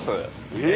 えっ！